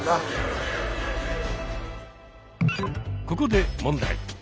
ここで問題。